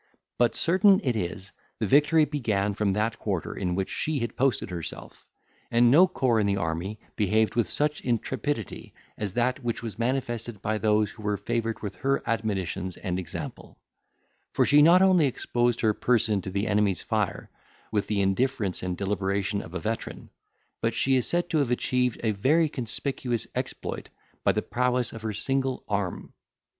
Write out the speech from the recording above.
But, certain it is, the victory began from that quarter in which she had posted herself; and no corps in the army behaved with such intrepidity as that which was manifested by those who were favoured with her admonitions and example; for she not only exposed her person to the enemy's fire, with the indifference and deliberation of a veteran, but she is said to have achieved a very conspicuous exploit by the prowess of her single arm.